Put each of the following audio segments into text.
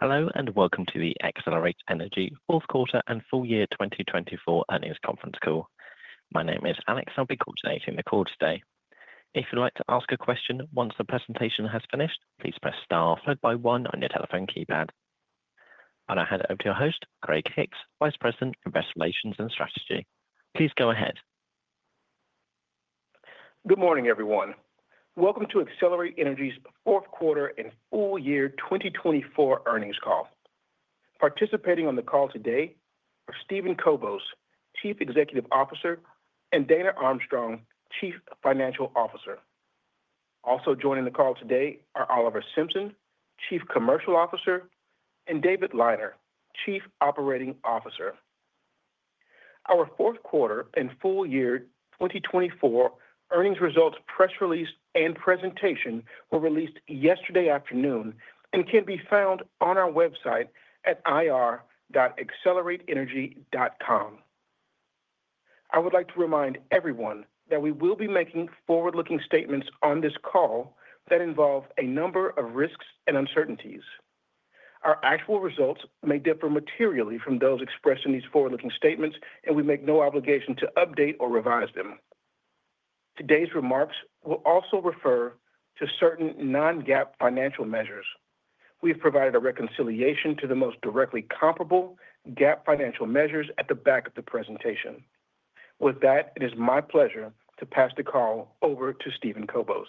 Hello and welcome to the Excelerate Energy Fourth Quarter and Full Year 2024 Earnings Conference Call. My name is Alex, and I'll be coordinating the call today. If you'd like to ask a question once the presentation has finished, please press star followed by one on your telephone keypad. I'll now hand it over to your host, Craig Hicks, Vice President, Investor Relations and Strategy. Please go ahead. Good morning, everyone. Welcome to Excelerate Energy's Fourth Quarter and Full Year 2024 Earnings Call. Participating on the call today are Steven Kobos, Chief Executive Officer, and Dana Armstrong, Chief Financial Officer. Also joining the call today are Oliver Simpson, Chief Commercial Officer, and David Liner, Chief Operating Officer. Our Fourth Quarter and Full Year 2024 Earnings Results Press Release and Presentation were released yesterday afternoon and can be found on our website at ir.excelerateenergy.com. I would like to remind everyone that we will be making forward-looking statements on this call that involve a number of risks and uncertainties. Our actual results may differ materially from those expressed in these forward-looking statements, and we make no obligation to update or revise them. Today's remarks will also refer to certain non-GAAP financial measures. We have provided a reconciliation to the most directly comparable GAAP financial measures at the back of the presentation. With that, it is my pleasure to pass the call over to Steven Kobos.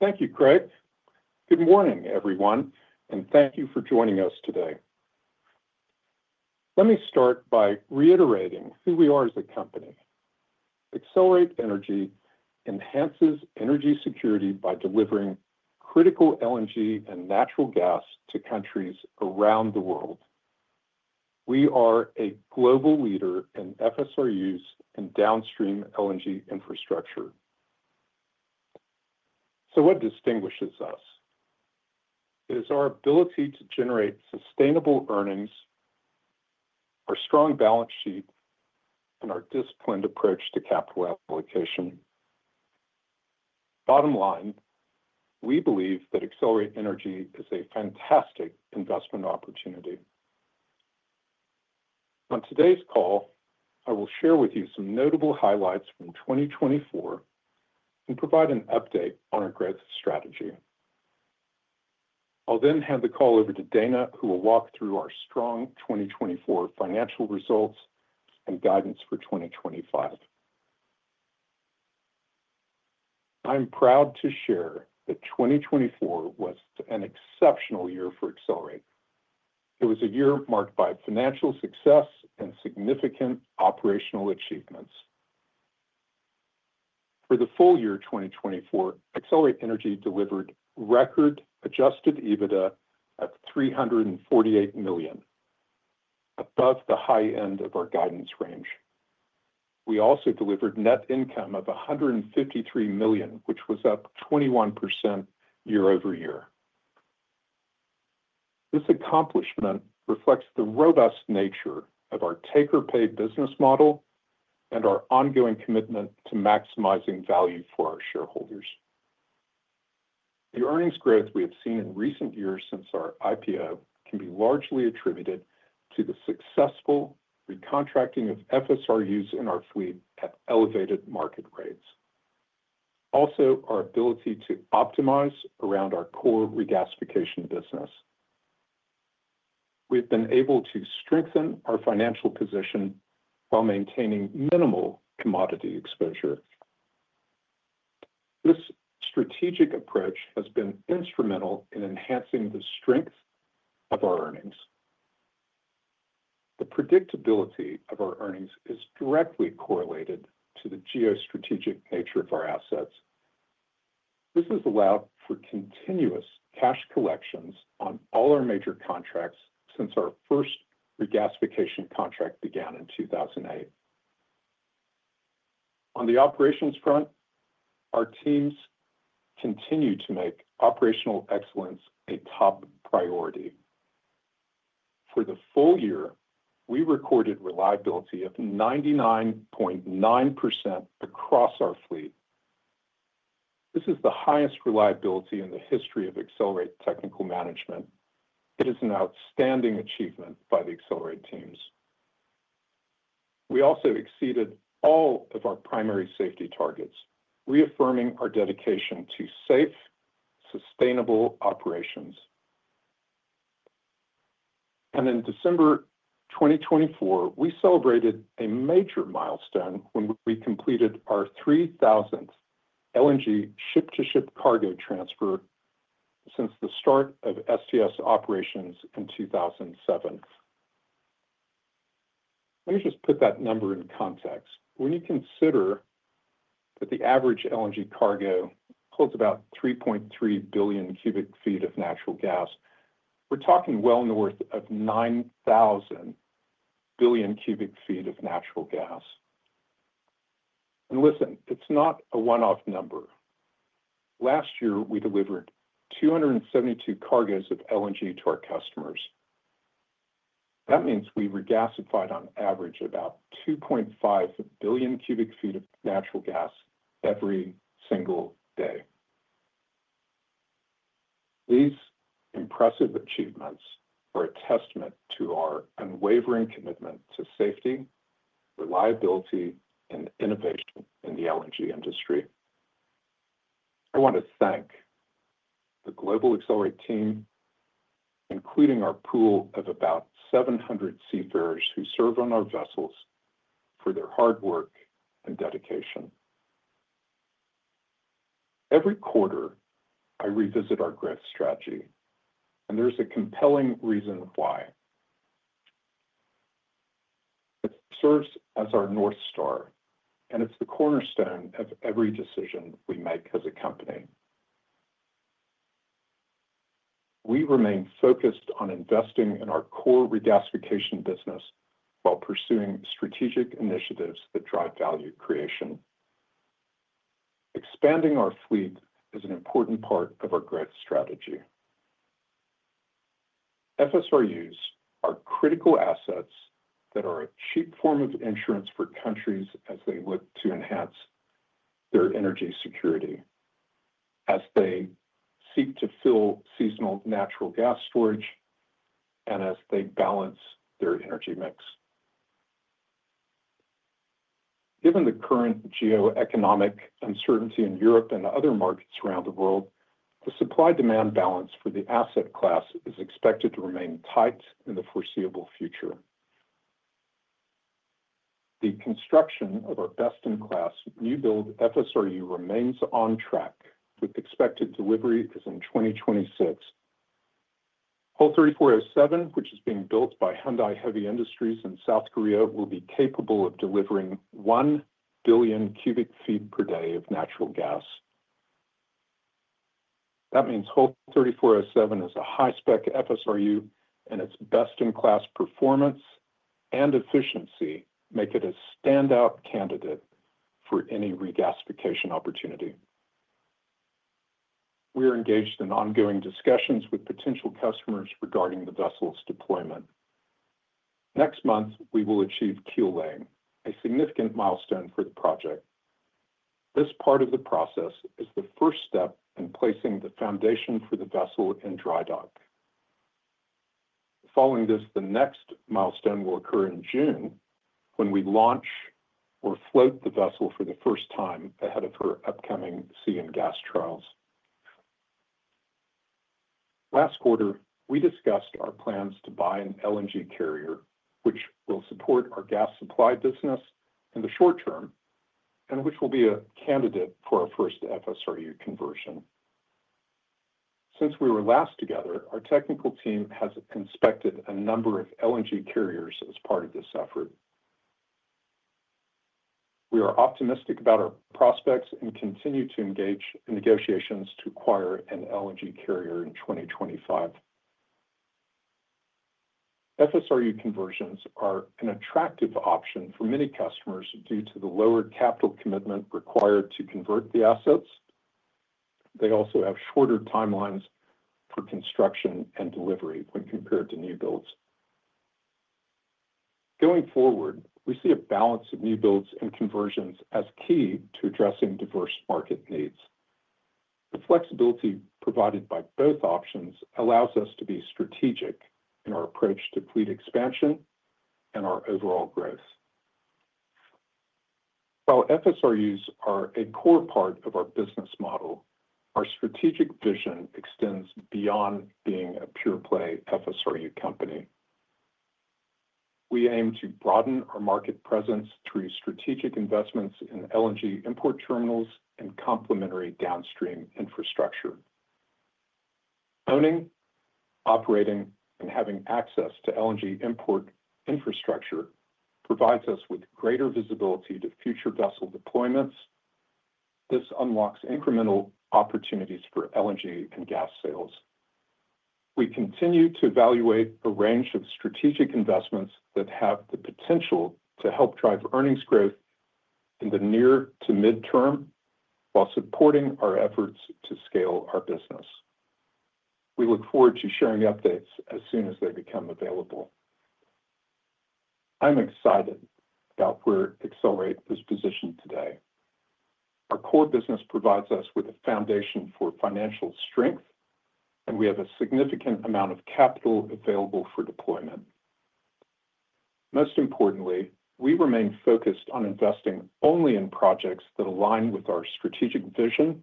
Thank you, Craig. Good morning, everyone, and thank you for joining us today. Let me start by reiterating who we are as a company. Excelerate Energy enhances energy security by delivering critical LNG and natural gas to countries around the world. We are a global leader in FSRUs and downstream LNG infrastructure. So what distinguishes us? It is our ability to generate sustainable earnings, our strong balance sheet, and our disciplined approach to capital allocation. Bottom line, we believe that Excelerate Energy is a fantastic investment opportunity. On today's call, I will share with you some notable highlights from 2024 and provide an update on our growth strategy. I'll then hand the call over to Dana, who will walk through our strong 2024 financial results and guidance for 2025. I'm proud to share that 2024 was an exceptional year for Excelerate. It was a year marked by financial success and significant operational achievements. For the full year 2024, Excelerate Energy delivered record Adjusted EBITDA of $348 million, above the high end of our guidance range. We also delivered net income of $153 million, which was up 21% year-over-year. This accomplishment reflects the robust nature of our take-or-pay business model and our ongoing commitment to maximizing value for our shareholders. The earnings growth we have seen in recent years since our IPO can be largely attributed to the successful recontracting of FSRUs in our fleet at elevated market rates. Also, our ability to optimize around our core regasification business. We've been able to strengthen our financial position while maintaining minimal commodity exposure. This strategic approach has been instrumental in enhancing the strength of our earnings. The predictability of our earnings is directly correlated to the geostrategic nature of our assets. This has allowed for continuous cash collections on all our major contracts since our first regasification contract began in 2008. On the operations front, our teams continue to make operational excellence a top priority. For the full year, we recorded reliability of 99.9% across our fleet. This is the highest reliability in the history of Excelerate Technical Management. It is an outstanding achievement by the Excelerate teams. We also exceeded all of our primary safety targets, reaffirming our dedication to safe, sustainable operations. And in December 2024, we celebrated a major milestone when we completed our 3,000th LNG ship-to-ship cargo transfer since the start of STS operations in 2007. Let me just put that number in context. When you consider that the average LNG cargo holds about 3.3 Bcf of natural gas, we're talking well north of 9,000 Bcf of natural gas. Listen, it's not a one-off number. Last year, we delivered 272 cargoes of LNG to our customers. That means we regasified on average about 2.5 Bcf of natural gas every single day. These impressive achievements are a testament to our unwavering commitment to safety, reliability, and innovation in the LNG industry. I want to thank the global Excelerate team, including our pool of about 700 seafarers who serve on our vessels for their hard work and dedication. Every quarter, I revisit our growth strategy, and there's a compelling reason why. It serves as our North Star, and it's the cornerstone of every decision we make as a company. We remain focused on investing in our core regasification business while pursuing strategic initiatives that drive value creation. Expanding our fleet is an important part of our growth strategy. FSRUs are critical assets that are a cheap form of insurance for countries as they look to enhance their energy security, as they seek to fill seasonal natural gas storage, and as they balance their energy mix. Given the current geoeconomic uncertainty in Europe and other markets around the world, the supply-demand balance for the asset class is expected to remain tight in the foreseeable future. The construction of our best-in-class new-build FSRU remains on track, with expected delivery in 2026. Hull 3407, which is being built by HD Hyundai Heavy Industries in South Korea, will be capable of delivering 1 Bcf per day of natural gas. That means Hull 3407 is a high-spec FSRU, and its best-in-class performance and efficiency make it a standout candidate for any regasification opportunity. We are engaged in ongoing discussions with potential customers regarding the vessel's deployment. Next month, we will achieve keel laying, a significant milestone for the project. This part of the process is the first step in placing the foundation for the vessel in drydock. Following this, the next milestone will occur in June when we launch or float the vessel for the first time ahead of her upcoming sea and gas trials. Last quarter, we discussed our plans to buy an LNG carrier, which will support our gas supply business in the short term and which will be a candidate for our first FSRU conversion. Since we were last together, our technical team has inspected a number of LNG carriers as part of this effort. We are optimistic about our prospects and continue to engage in negotiations to acquire an LNG carrier in 2025. FSRU conversions are an attractive option for many customers due to the lower capital commitment required to convert the assets. They also have shorter timelines for construction and delivery when compared to new builds. Going forward, we see a balance of new builds and conversions as key to addressing diverse market needs. The flexibility provided by both options allows us to be strategic in our approach to fleet expansion and our overall growth. While FSRUs are a core part of our business model, our strategic vision extends beyond being a pure-play FSRU company. We aim to broaden our market presence through strategic investments in LNG import terminals and complementary downstream infrastructure. Owning, operating, and having access to LNG import infrastructure provides us with greater visibility to future vessel deployments. This unlocks incremental opportunities for LNG and gas sales. We continue to evaluate a range of strategic investments that have the potential to help drive earnings growth in the near to midterm while supporting our efforts to scale our business. We look forward to sharing updates as soon as they become available. I'm excited about where Excelerate is positioned today. Our core business provides us with a foundation for financial strength, and we have a significant amount of capital available for deployment. Most importantly, we remain focused on investing only in projects that align with our strategic vision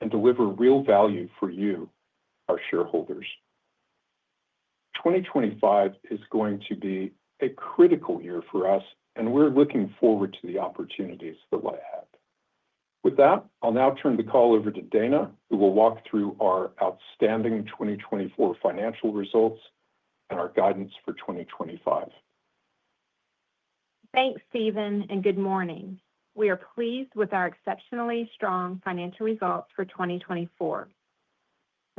and deliver real value for you, our shareholders. 2025 is going to be a critical year for us, and we're looking forward to the opportunities that lie ahead. With that, I'll now turn the call over to Dana, who will walk through our outstanding 2024 financial results and our guidance for 2025. Thanks, Steven, and good morning. We are pleased with our exceptionally strong financial results for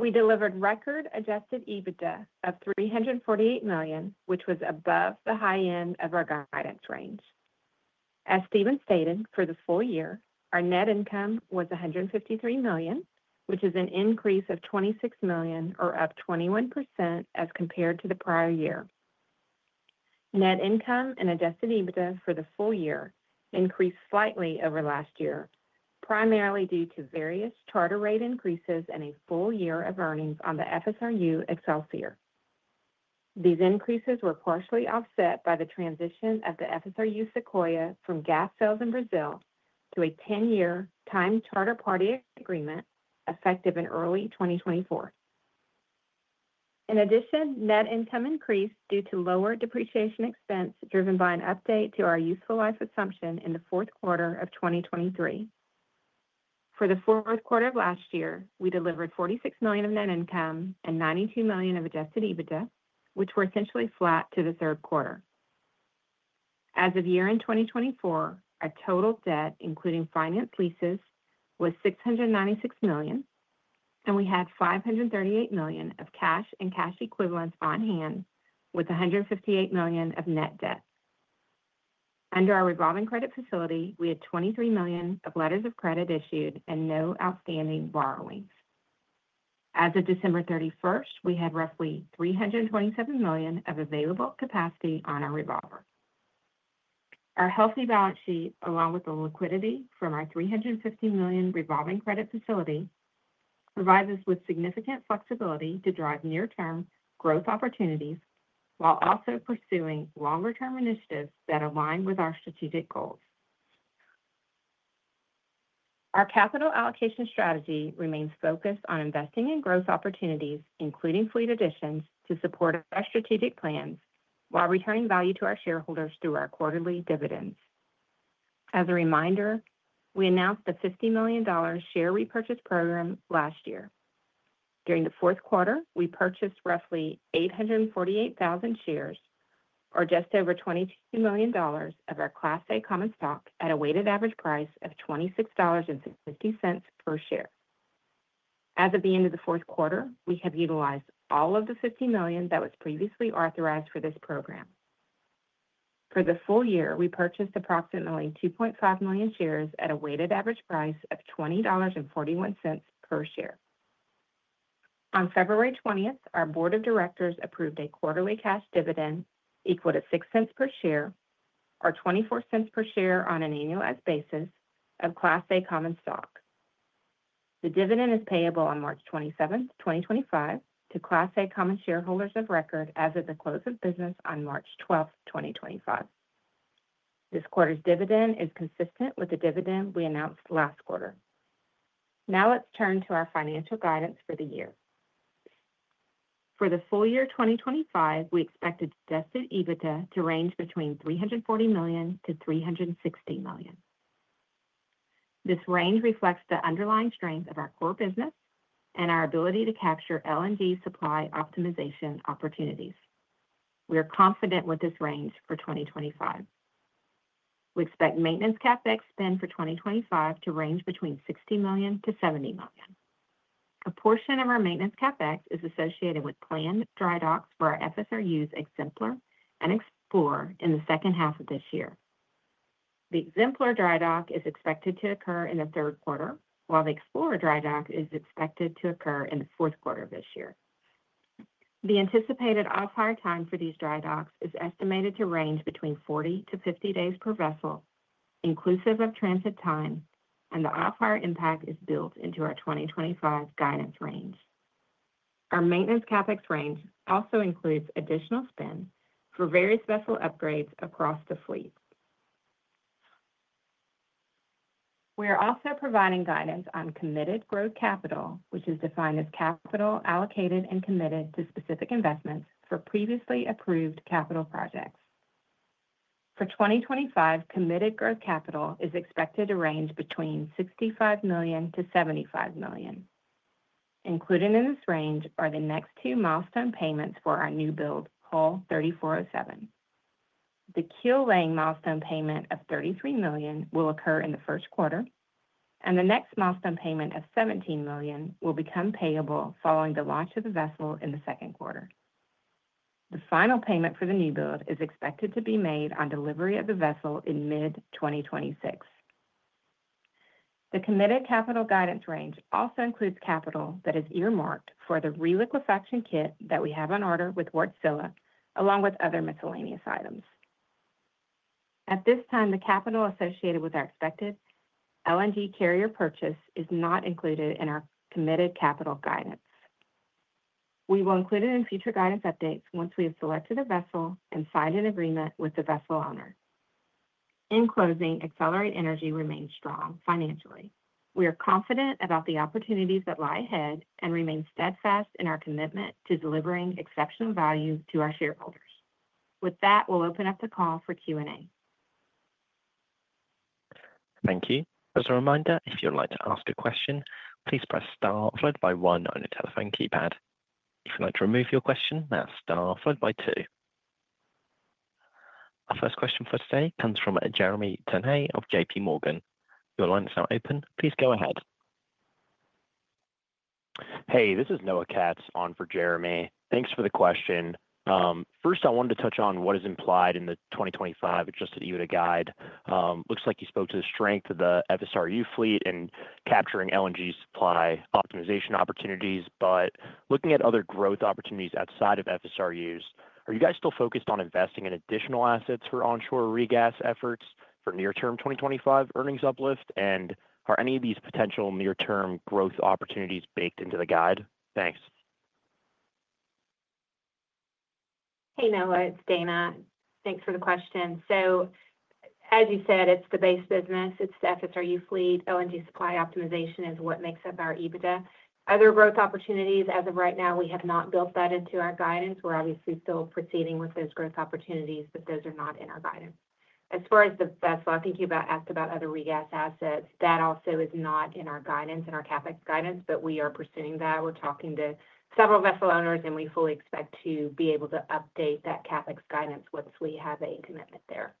2024. We delivered record adjusted EBITDA of $348 million, which was above the high end of our guidance range. As Steven stated, for the full year, our net income was $153 million, which is an increase of $26 million, or up 21% as compared to the prior year. Net income and adjusted EBITDA for the full year increased slightly over last year, primarily due to various charter rate increases and a full year of earnings on the FSRU Excelsior. These increases were partially offset by the transition of the FSRU Sequoia from gas sales in Brazil to a 10-year time charter party agreement effective in early 2024. In addition, net income increased due to lower depreciation expense driven by an update to our useful life assumption in the fourth quarter of 2023. For the fourth quarter of last year, we delivered $46 million of net income and $92 million of adjusted EBITDA, which were essentially flat to the third quarter. As of year-end 2024, our total debt, including finance leases, was $696 million, and we had $538 million of cash and cash equivalents on hand, with $158 million of net debt. Under our revolving credit facility, we had $23 million of letters of credit issued and no outstanding borrowings. As of December 31st, we had roughly $327 million of available capacity on our revolver. Our healthy balance sheet, along with the liquidity from our $350 million revolving credit facility, provides us with significant flexibility to drive near-term growth opportunities while also pursuing longer-term initiatives that align with our strategic goals. Our capital allocation strategy remains focused on investing in growth opportunities, including fleet additions, to support our strategic plans while returning value to our shareholders through our quarterly dividends. As a reminder, we announced the $50 million share repurchase program last year. During the fourth quarter, we purchased roughly 848,000 shares, or just over $22 million of our Class A Common Stock at a weighted average price of $26.50 per share. As of the end of the fourth quarter, we have utilized all of the $50 million that was previously authorized for this program. For the full year, we purchased approximately 2.5 million shares at a weighted average price of $20.41 per share. On February 20th, our Board of Directors approved a quarterly cash dividend equal to $0.06 per share, or $0.24 per share on an annualized basis of Class A Common Stock. The dividend is payable on March 27th, 2025, to Class A common shareholders of record as of the close of business on March 12th, 2025. This quarter's dividend is consistent with the dividend we announced last quarter. Now let's turn to our financial guidance for the year. For the full year 2025, we expect adjusted EBITDA to range between $340 million-$360 million. This range reflects the underlying strength of our core business and our ability to capture LNG supply optimization opportunities. We are confident with this range for 2025. We expect maintenance CapEx spend for 2025 to range between $60 million-$70 million. A portion of our maintenance CapEx is associated with planned drydocks for our FSRUs Exemplar and Explorer in the second half of this year. The Exemplar drydock is expected to occur in the third quarter, while the Explorer drydock is expected to occur in the fourth quarter of this year. The anticipated off-hire time for these drydocks is estimated to range between 40-50 days per vessel, inclusive of transit time, and the off-hire impact is built into our 2025 guidance range. Our maintenance CapEx range also includes additional spend for various vessel upgrades across the fleet. We are also providing guidance on committed growth capital, which is defined as capital allocated and committed to specific investments for previously approved capital projects. For 2025, committed growth capital is expected to range between $65 million-$75 million. Included in this range are the next two milestone payments for our new build, Hull 3407. The keel laying milestone payment of $33 million will occur in the first quarter, and the next milestone payment of $17 million will become payable following the launch of the vessel in the second quarter. The final payment for the new build is expected to be made on delivery of the vessel in mid-2026. The committed capital guidance range also includes capital that is earmarked for the reliquefaction kit that we have on order with Wärtsilä, along with other miscellaneous items. At this time, the capital associated with our expected LNG carrier purchase is not included in our committed capital guidance. We will include it in future guidance updates once we have selected a vessel and signed an agreement with the vessel owner. In closing, Excelerate Energy remains strong financially. We are confident about the opportunities that lie ahead and remain steadfast in our commitment to delivering exceptional value to our shareholders. With that, we'll open up the call for Q&A. Thank you. As a reminder, if you'd like to ask a question, please press star followed by one on your telephone keypad. If you'd like to remove your question, now star followed by two. Our first question for today comes from Jeremy Tonet of J.P. Morgan. Your line is now open. Please go ahead. Hey, this is Noah Katz on for Jeremy. Thanks for the question. First, I wanted to touch on what is implied in the 2025 Adjusted EBITDA guide. Looks like you spoke to the strength of the FSRU fleet and capturing LNG supply optimization opportunities, but looking at other growth opportunities outside of FSRUs, are you guys still focused on investing in additional assets for onshore regas efforts for near-term 2025 earnings uplift? And are any of these potential near-term growth opportunities baked into the guide? Thanks. Hey, Noah, it's Dana. Thanks for the question. So, as you said, it's the base business. It's the FSRU fleet. LNG supply optimization is what makes up our EBITDA. Other growth opportunities, as of right now, we have not built that into our guidance. We're obviously still proceeding with those growth opportunities, but those are not in our guidance. As far as the vessel, I think you asked about other regas assets. That also is not in our guidance, in our CapEx guidance, but we are pursuing that. We're talking to several vessel owners, and we fully expect to be able to update that CapEx guidance once we have a commitment there.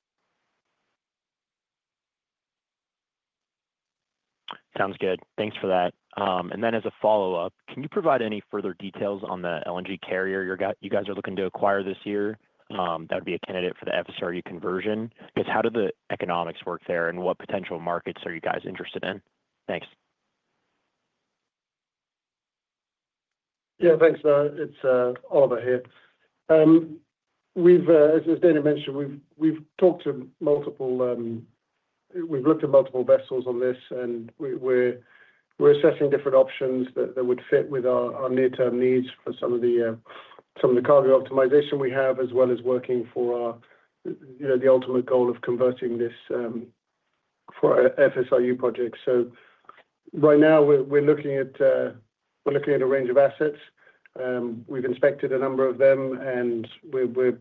Sounds good. Thanks for that. And then, as a follow-up, can you provide any further details on the LNG carrier you guys are looking to acquire this year that would be a candidate for the FSRU conversion? Because how do the economics work there, and what potential markets are you guys interested in? Thanks. Yeah, thanks, Noah. It's Oliver here. As Dana mentioned, we've talked to multiple, we've looked at multiple vessels on this, and we're assessing different options that would fit with our near-term needs for some of the cargo optimization we have, as well as working for the ultimate goal of converting this for our FSRU project. So, right now, we're looking at a range of assets. We've inspected a number of them, and we're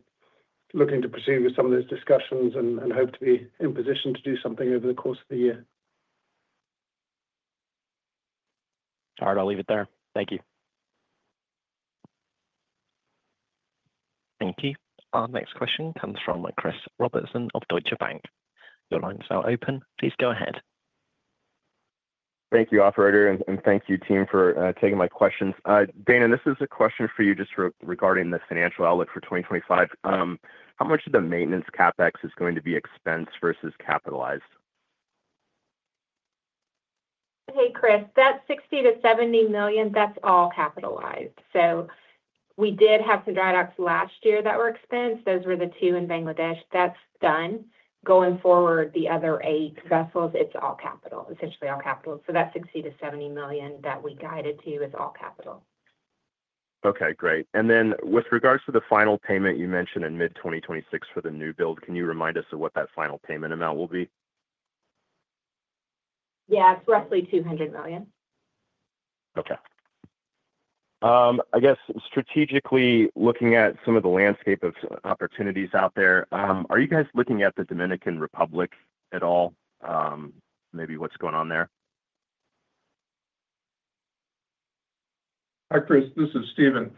looking to proceed with some of those discussions and hope to be in position to do something over the course of the year. All right, I'll leave it there. Thank you. Thank you. Our next question comes from Chris Robertson of Deutsche Bank. Your line is now open. Please go ahead. Thank you, operator, and thank you, team, for taking my questions. Dana, this is a question for you just regarding the financial outlook for 2025. How much of the Maintenance CapEx is going to be expense versus capitalized? Hey, Chris, that $60 million-$70 million, that's all capitalized. So, we did have some drydocks last year that were expensed. Those were the two in Bangladesh. That's done. Going forward, the other eight vessels, it's all capital, essentially all capital. So, that $60 million-$70 million that we guided to is all capital. Okay, great. And then, with regards to the final payment you mentioned in mid-2026 for the new build, can you remind us of what that final payment amount will be? Yeah, it's roughly $200 million. Okay. I guess, strategically looking at some of the landscape of opportunities out there, are you guys looking at the Dominican Republic at all? Maybe what's going on there? Hi, Chris, this is Steven.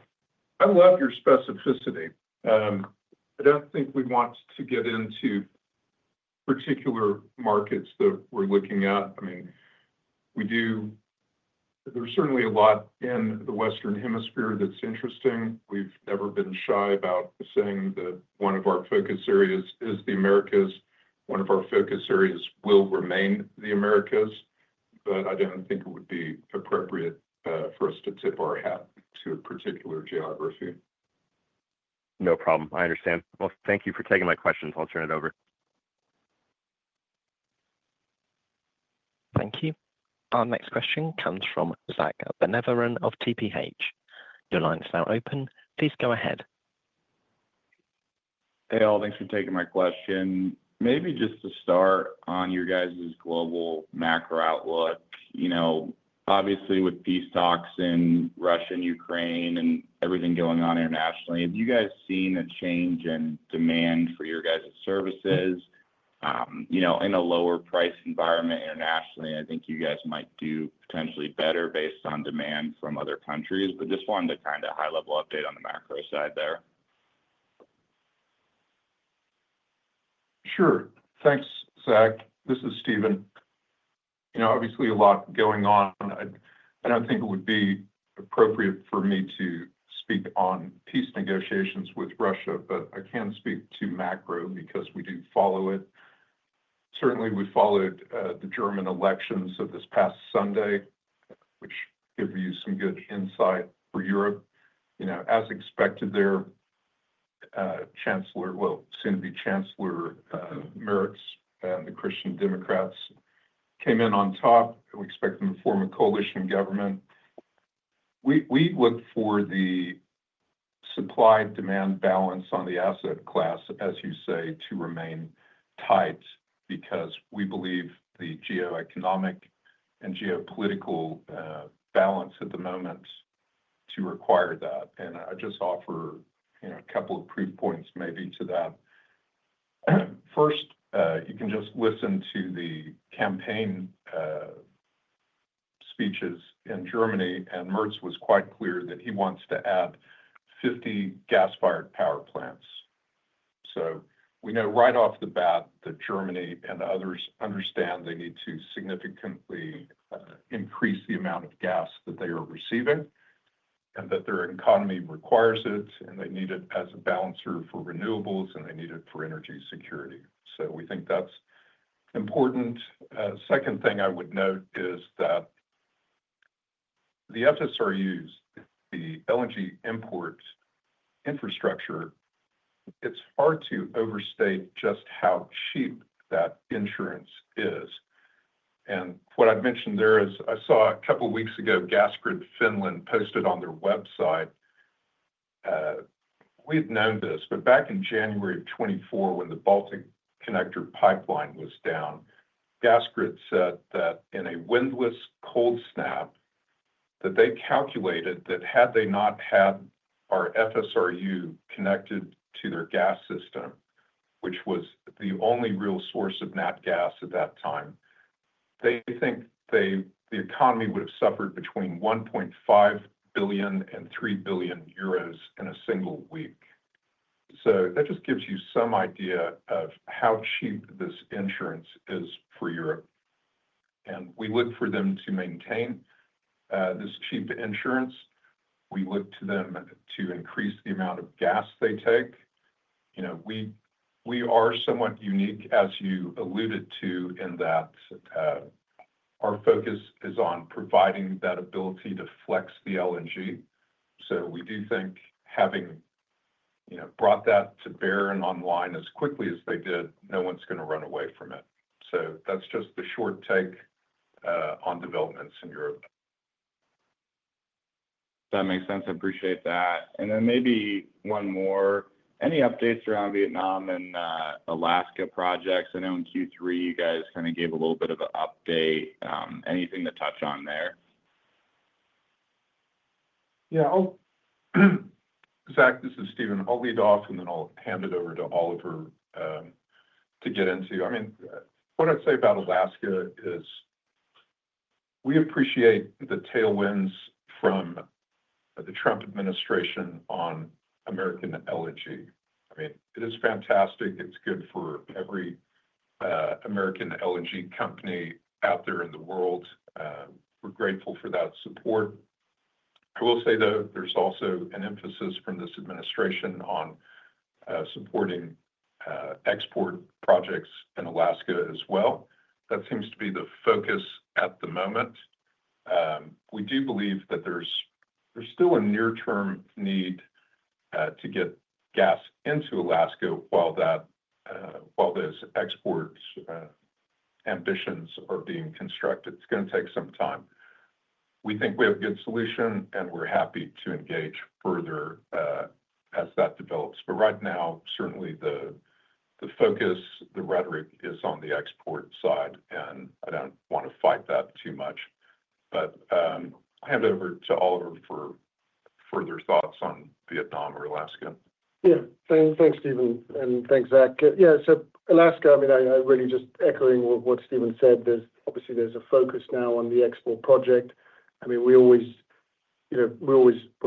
I love your specificity. I don't think we want to get into particular markets that we're looking at. I mean, there's certainly a lot in the Western Hemisphere that's interesting. We've never been shy about saying that one of our focus areas is the Americas. One of our focus areas will remain the Americas, but I don't think it would be appropriate for us to tip our hat to a particular geography. No problem. I understand. Well, thank you for taking my questions. I'll turn it over. Thank you. Our next question comes from Zack Van Everen of TPH. Your line is now open. Please go ahead. Hey, all. Thanks for taking my question. Maybe just to start on your guys' global macro outlook. Obviously, with peace talks in Russia and Ukraine and everything going on internationally, have you guys seen a change in demand for your guys' services in a lower-priced environment internationally? I think you guys might do potentially better based on demand from other countries, but just wanted to kind of high-level update on the macro side there. Sure. Thanks, Zack. This is Steven. Obviously, a lot going on. I don't think it would be appropriate for me to speak on peace negotiations with Russia, but I can speak to macro because we do follow it. Certainly, we followed the German elections this past Sunday, which gave you some good insight for Europe. As expected, their chancellor, well, soon-to-be chancellor, Merz and the Christian Democrats came in on top. We expect them to form a coalition government. We look for the supply-demand balance on the asset class, as you say, to remain tight because we believe the geoeconomics and geopolitical balance at the moment requires that. And I just offer a couple of proof points maybe to that. First, you can just listen to the campaign speeches in Germany, and Merz was quite clear that he wants to add 50 gas-fired power plants. So, we know right off the bat that Germany and others understand they need to significantly increase the amount of gas that they are receiving and that their economy requires it, and they need it as a balancer for renewables, and they need it for energy security. So, we think that's important. The second thing I would note is that the FSRUs, the LNG import infrastructure, it's hard to overstate just how cheap that insurance is. And what I've mentioned there is I saw a couple of weeks ago Gasgrid Finland posted on their website. We had known this, but back in January of 2024, when the Balticconnector pipeline was down, Gasgrid said that in a windless cold snap that they calculated that had they not had our FSRU connected to their gas system, which was the only real source of natural gas at that time, they think the economy would have suffered between 1.5 billion and 3 billion euros in a single week. So, that just gives you some idea of how cheap this insurance is for Europe. And we look for them to maintain this cheap insurance. We look to them to increase the amount of gas they take. We are somewhat unique, as you alluded to, in that our focus is on providing that ability to flex the LNG. So, we do think having brought that to bear and online as quickly as they did, no one's going to run away from it. So, that's just the short take on developments in Europe. That makes sense. I appreciate that. And then maybe one more. Any updates around Vietnam and Alaska projects? I know in Q3, you guys kind of gave a little bit of an update. Anything to touch on there? Yeah. Zack, this is Steven. I'll lead off, and then I'll hand it over to Oliver to get into. I mean, what I'd say about Alaska is we appreciate the tailwinds from the Trump administration on American LNG. I mean, it is fantastic. It's good for every American LNG company out there in the world. We're grateful for that support. I will say, though, there's also an emphasis from this administration on supporting export projects in Alaska as well. That seems to be the focus at the moment. We do believe that there's still a near-term need to get gas into Alaska while those export ambitions are being constructed. It's going to take some time. We think we have a good solution, and we're happy to engage further as that develops. But right now, certainly, the focus, the rhetoric is on the export side, and I don't want to fight that too much. But I'll hand it over to Oliver for further thoughts on Vietnam or Alaska. Yeah. Thanks, Steven, and thanks, Zack. Yeah, so Alaska, I mean, I really just echoing what Steven said, obviously, there's a focus now on the export project. I mean, we always were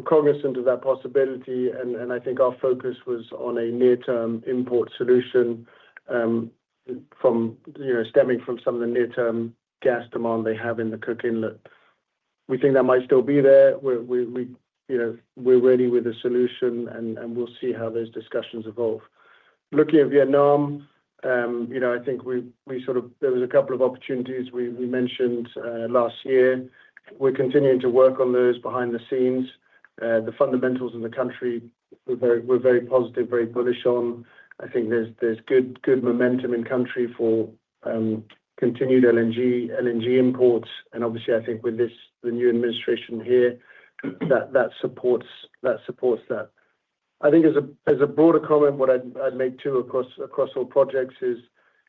cognizant of that possibility, and I think our focus was on a near-term import solution stemming from some of the near-term gas demand they have in the Cook Inlet. We think that might still be there. We're ready with a solution, and we'll see how those discussions evolve. Looking at Vietnam, I think we sort of, there was a couple of opportunities we mentioned last year. We're continuing to work on those behind the scenes. The fundamentals in the country, we're very positive, very bullish on. I think there's good momentum in country for continued LNG imports. And obviously, I think with the new administration here, that supports that. I think as a broader comment, what I'd make, too, across all projects is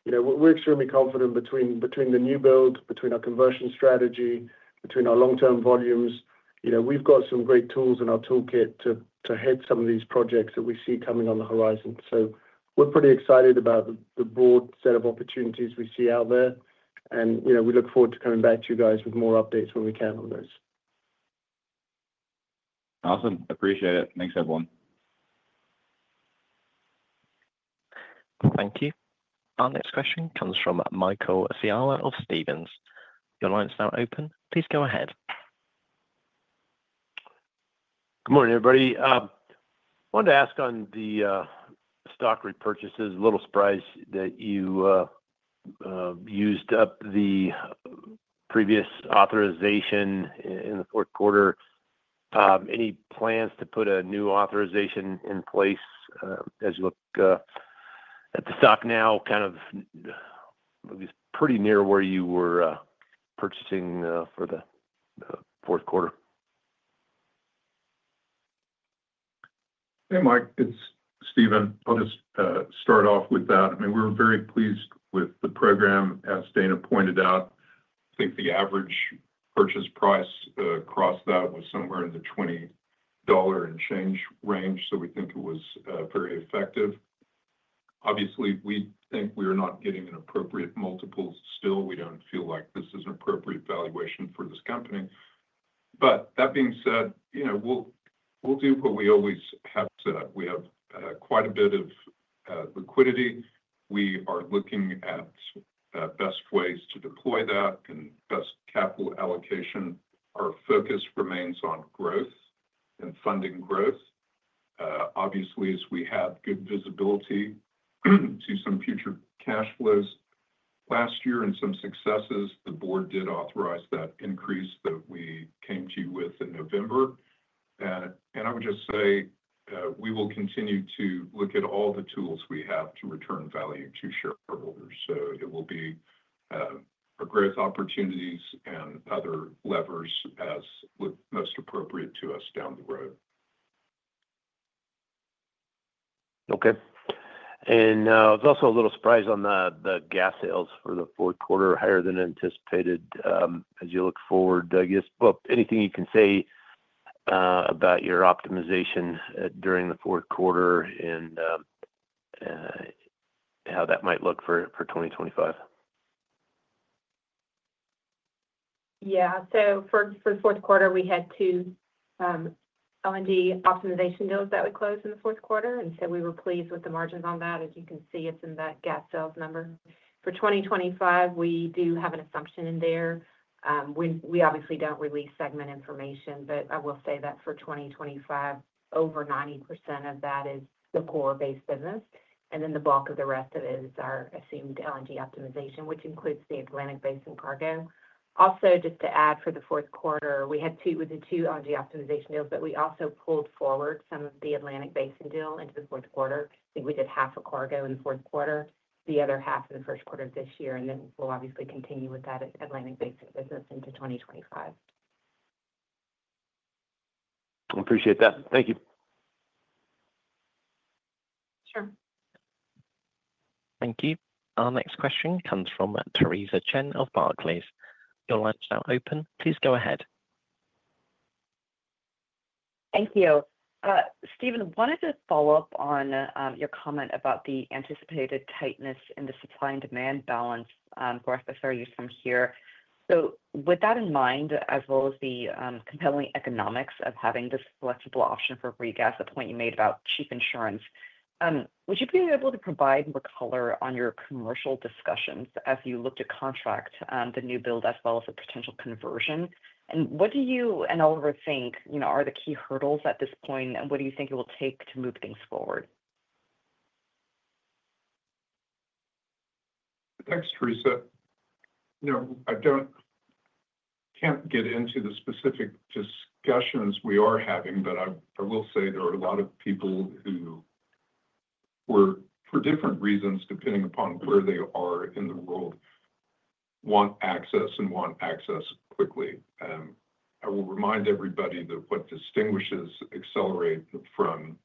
we're extremely confident between the new build, between our conversion strategy, between our long-term volumes. We've got some great tools in our toolkit to hit some of these projects that we see coming on the horizon. So, we're pretty excited about the broad set of opportunities we see out there, and we look forward to coming back to you guys with more updates when we can on those. Awesome. Appreciate it. Thanks, everyone. Thank you. Our next question comes from Michael Scialla of Stephens. Your line is now open. Please go ahead. Good morning, everybody. I wanted to ask on the stock repurchases, a little surprise that you used up the previous authorization in the fourth quarter. Any plans to put a new authorization in place as you look at the stock now? Kind of it was pretty near where you were purchasing for the fourth quarter. Hey, Mike. It's Steven. I'll just start off with that. I mean, we were very pleased with the program, as Dana pointed out. I think the average purchase price across that was somewhere in the $20 and change range, so we think it was very effective. Obviously, we think we are not getting an appropriate multiple still. We don't feel like this is an appropriate valuation for this company. But that being said, we'll do what we always have to. We have quite a bit of liquidity. We are looking at best ways to deploy that and best capital allocation. Our focus remains on growth and funding growth. Obviously, as we have good visibility to some future cash flows last year and some successes, the board did authorize that increase that we came to you with in November. I would just say we will continue to look at all the tools we have to return value to shareholders. It will be our growth opportunities and other levers as most appropriate to us down the road. Okay. And there's also a little surprise on the gas sales for the fourth quarter, higher than anticipated as you look forward. I guess, well, anything you can say about your optimization during the fourth quarter and how that might look for 2025? Yeah. So, for the fourth quarter, we had two LNG optimization deals that we closed in the fourth quarter. And so, we were pleased with the margins on that. As you can see, it's in that gas sales number. For 2025, we do have an assumption in there. We obviously don't release segment information, but I will say that for 2025, over 90% of that is the core-based business. And then the bulk of the rest of it is our assumed LNG optimization, which includes the Atlantic Basin cargo. Also, just to add for the fourth quarter, we had two LNG optimization deals, but we also pulled forward some of the Atlantic Basin deal into the fourth quarter. I think we did half of cargo in the fourth quarter, the other half in the first quarter of this year, and then we'll obviously continue with that Atlantic Basin business into 2025. I appreciate that. Thank you. Sure. Thank you. Our next question comes from Theresa Chen of Barclays. Your line is now open. Please go ahead. Thank you. Steven, I wanted to follow up on your comment about the anticipated tightness in the supply and demand balance for FSRUs from here. So, with that in mind, as well as the compelling economics of having this flexible option for free gas, the point you made about cheap insurance, would you be able to provide more color on your commercial discussions as you look to contract the new build as well as a potential conversion? And what do you and Oliver think are the key hurdles at this point, and what do you think it will take to move things forward? Thanks, Theresa. I can't get into the specific discussions we are having, but I will say there are a lot of people who, for different reasons, depending upon where they are in the world, want access and want access quickly. I will remind everybody that what distinguishes Excelerate from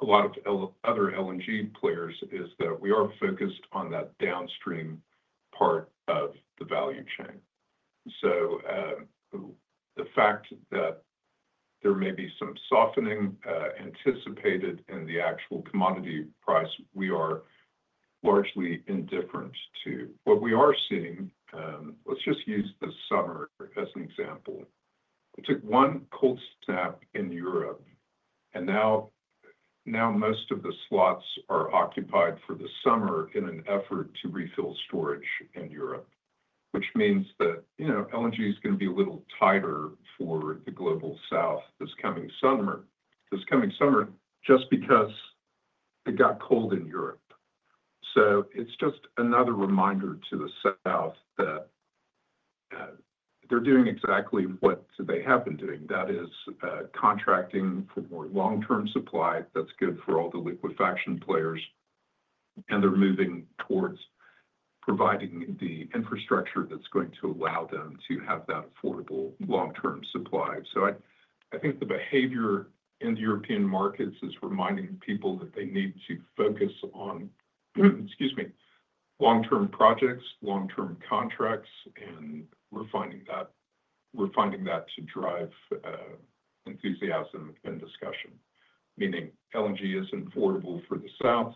a lot of other LNG players is that we are focused on that downstream part of the value chain. So, the fact that there may be some softening anticipated in the actual commodity price, we are largely indifferent to. What we are seeing, let's just use the summer as an example, it took one cold snap in Europe, and now most of the slots are occupied for the summer in an effort to refill storage in Europe, which means that LNG is going to be a little tighter for the Global South this coming summer just because it got cold in Europe. So, it's just another reminder to the south that they're doing exactly what they have been doing. That is contracting for more long-term supply that's good for all the liquefaction players, and they're moving towards providing the infrastructure that's going to allow them to have that affordable long-term supply. So, I think the behavior in the European markets is reminding people that they need to focus on, excuse me, long-term projects, long-term contracts, and we're finding that to drive enthusiasm and discussion, meaning LNG isn't affordable for the south,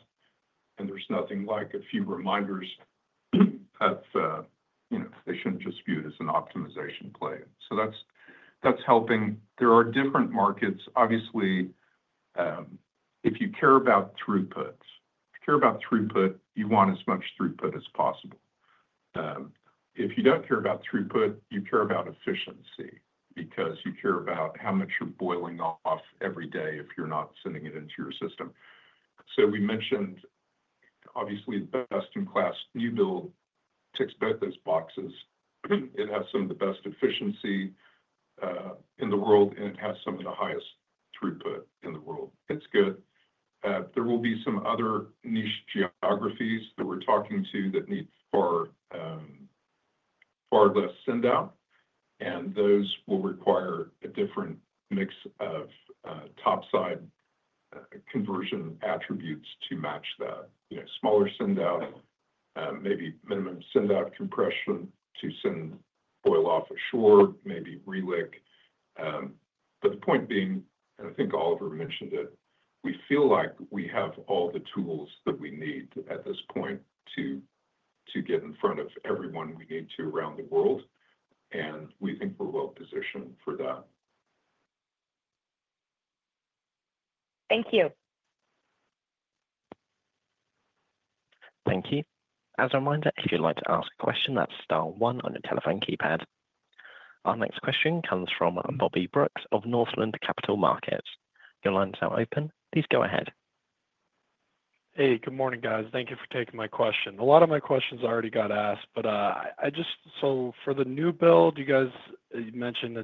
and there's nothing like a few reminders that they shouldn't just view it as an optimization play. So, that's helping. There are different markets. Obviously, if you care about throughput, if you care about throughput, you want as much throughput as possible. If you don't care about throughput, you care about efficiency because you care about how much you're boiling off every day if you're not sending it into your system. So, we mentioned, obviously, the best-in-class new build ticks both those boxes. It has some of the best efficiency in the world, and it has some of the highest throughput in the world. It's good. There will be some other niche geographies that we're talking to that need far less send-out, and those will require a different mix of topside conversion attributes to match that. Smaller send-out, maybe minimum send-out compression to send boil-off ashore, maybe reliquefaction. But the point being, and I think Oliver mentioned it, we feel like we have all the tools that we need at this point to get in front of everyone we need to around the world, and we think we're well-positioned for that. Thank you. Thank you. As a reminder, if you'd like to ask a question, that's star one on your telephone keypad. Our next question comes from Bobby Brooks of Northland Capital Markets. Your line is now open. Please go ahead. Hey, good morning, guys. Thank you for taking my question. A lot of my questions already got asked, but I just—so for the new build, you guys mentioned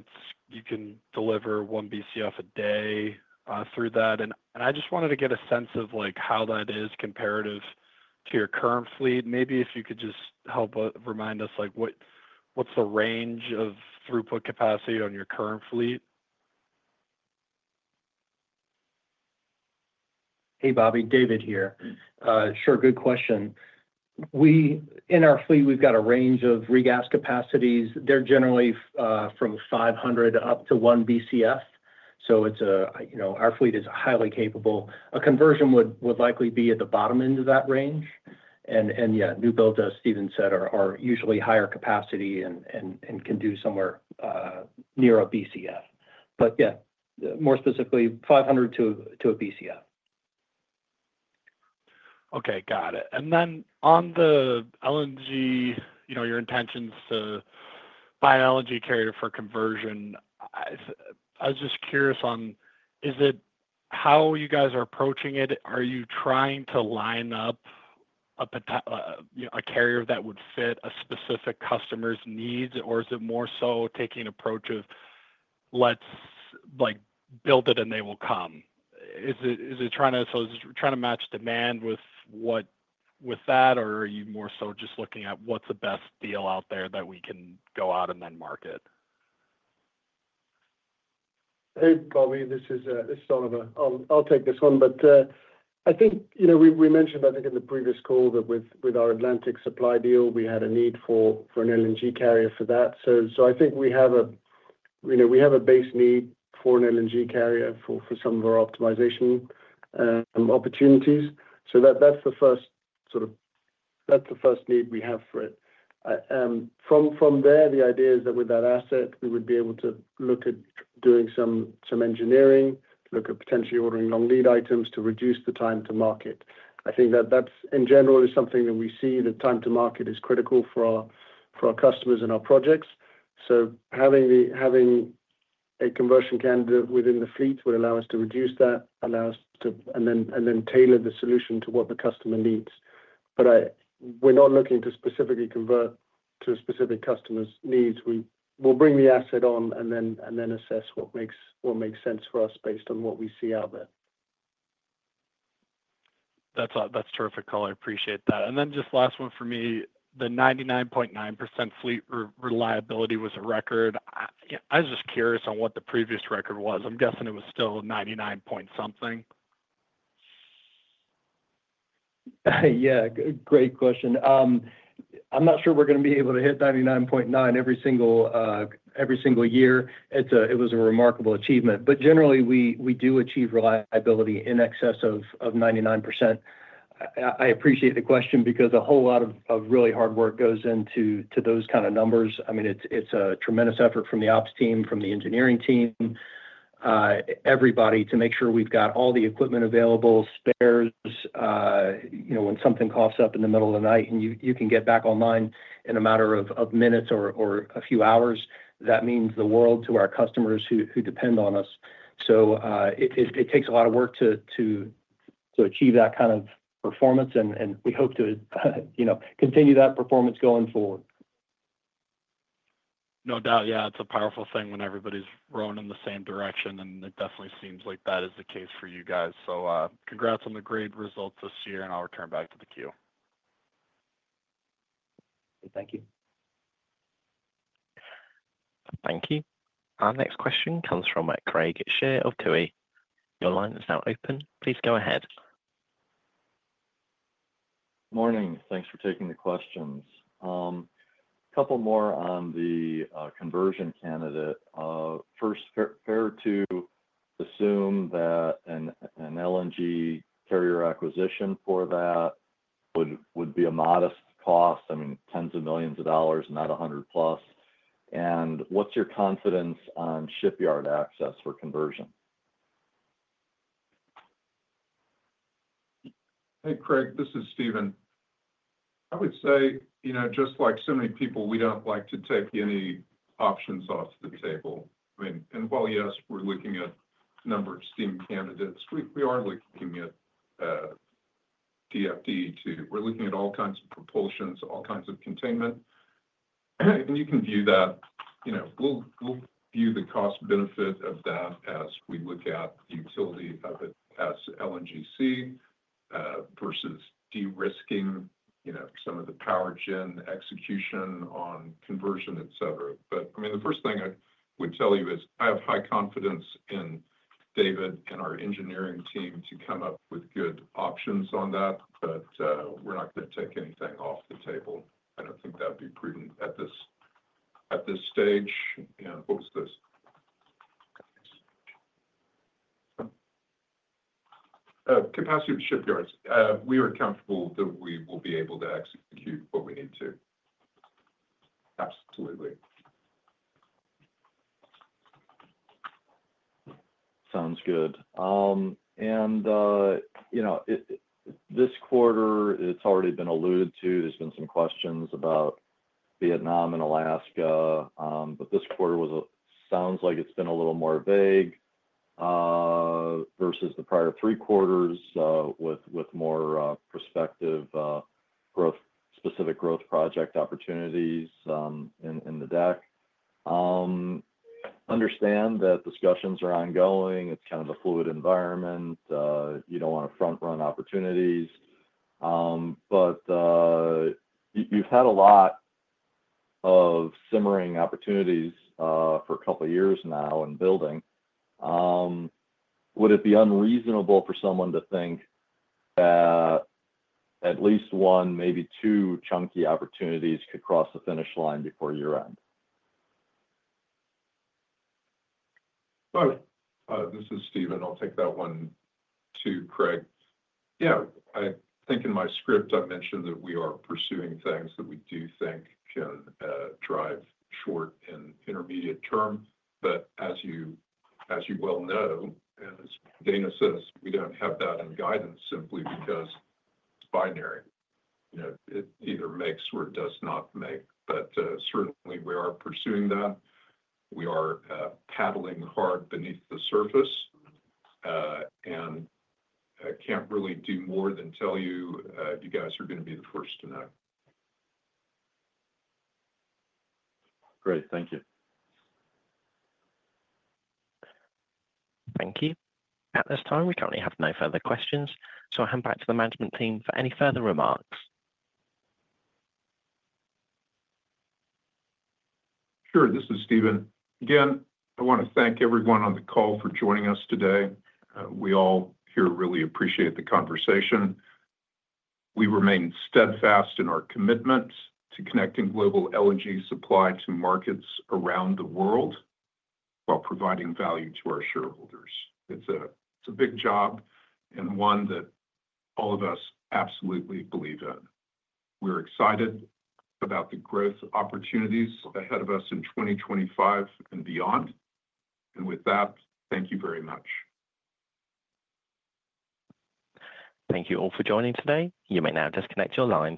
you can deliver 1 Bcf a day through that, and I just wanted to get a sense of how that is comparative to your current fleet. Maybe if you could just help remind us, what's the range of throughput capacity on your current fleet? Hey, Bobby. David here. Sure. Good question. In our fleet, we've got a range of regas capacities. They're generally from 500 up to one Bcf. So, our fleet is highly capable. A conversion would likely be at the bottom end of that range, and yeah, new builds, as Steven said, are usually higher capacity and can do somewhere near a Bcf, but yeah, more specifically, 500 MMcf to 1 Bcf. Okay. Got it. And then on the LNG, your intentions to buy an LNG carrier for conversion, I was just curious on how you guys are approaching it. Are you trying to line up a carrier that would fit a specific customer's needs, or is it more so taking an approach of, "Let's build it and they will come"? It's trying to match demand with that, or are you more so just looking at what's the best deal out there that we can go out and then market? Hey, Bobby. This is Oliver. I'll take this one. But I think we mentioned, I think, in the previous call that with our Atlantic supply deal, we had a need for an LNG carrier for that. So, I think we have a base need for an LNG carrier for some of our optimization opportunities. So, that's the first need we have for it. From there, the idea is that with that asset, we would be able to look at doing some engineering, look at potentially ordering long lead items to reduce the time to market. I think that, in general, is something that we see. The time to market is critical for our customers and our projects. So, having a conversion candidate within the fleet would allow us to reduce that, allow us to and then tailor the solution to what the customer needs. But we're not looking to specifically convert to a specific customer's needs. We'll bring the asset on and then assess what makes sense for us based on what we see out there. That's terrific color. I appreciate that, and then just last one for me. The 99.9% fleet reliability was a record. I was just curious on what the previous record was. I'm guessing it was still 99% point something. Yeah. Great question. I'm not sure we're going to be able to hit 99.9% every single year. It was a remarkable achievement. But generally, we do achieve reliability in excess of 99%. I appreciate the question because a whole lot of really hard work goes into those kind of numbers. I mean, it's a tremendous effort from the ops team, from the engineering team, everybody to make sure we've got all the equipment available, spares when something coughs up in the middle of the night, and you can get back online in a matter of minutes or a few hours. That means the world to our customers who depend on us. So, it takes a lot of work to achieve that kind of performance, and we hope to continue that performance going forward. No doubt. Yeah. It's a powerful thing when everybody's rowing in the same direction, and it definitely seems like that is the case for you guys. So, congrats on the great results this year, and I'll return back to the queue. Thank you. Thank you. Our next question comes from Craig Shere of Tuohy. Your line is now open. Please go ahead. Good morning. Thanks for taking the questions. A couple more on the conversion candidate. First, fair to assume that an LNG carrier acquisition for that would be a modest cost, I mean, tens of millions of dollars, not $100 million+. And what's your confidence on shipyard access for conversion? Hey, Craig. This is Steven. I would say, just like so many people, we don't like to take any options off the table. I mean, and while yes, we're looking at a number of steam candidates, we are looking at DFDE too. We're looking at all kinds of propulsions, all kinds of containment. And you can view that. We'll view the cost-benefit of that as we look at the utility of it as LNGC versus de-risking some of the power gen execution on conversion, etc. But I mean, the first thing I would tell you is I have high confidence in David and our engineering team to come up with good options on that, but we're not going to take anything off the table. I don't think that'd be prudent at this stage. And what was this? Capacity of shipyards. We are comfortable that we will be able to execute what we need to. Absolutely. Sounds good. And this quarter, it's already been alluded to. There's been some questions about Vietnam and Alaska, but this quarter sounds like it's been a little more vague versus the prior three quarters with more prospective specific growth project opportunities in the deck. Understand that discussions are ongoing. It's kind of a fluid environment. You don't want to front-run opportunities. But you've had a lot of simmering opportunities for a couple of years now in building. Would it be unreasonable for someone to think that at least one, maybe two chunky opportunities could cross the finish line before year-end? This is Steven. I'll take that one too, Craig. Yeah. I think in my script, I mentioned that we are pursuing things that we do think can drive short- and intermediate-term. But as you well know, and as Dana says, we don't have that in guidance simply because it's binary. It either makes or it does not make. But certainly, we are pursuing that. We are paddling hard beneath the surface and can't really do more than tell you, you guys are going to be the first to know. Great. Thank you. Thank you. At this time, we currently have no further questions. So I'll hand back to the management team for any further remarks. Sure. This is Steven. Again, I want to thank everyone on the call for joining us today. We all here really appreciate the conversation. We remain steadfast in our commitments to connecting global LNG supply to markets around the world while providing value to our shareholders. It's a big job and one that all of us absolutely believe in. We're excited about the growth opportunities ahead of us in 2025 and beyond. And with that, thank you very much. Thank you all for joining today. You may now disconnect your line.